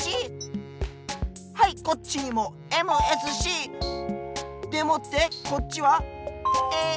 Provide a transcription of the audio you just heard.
はいこっちにもＭＳＣ！でもってこっちはＡＳＣ！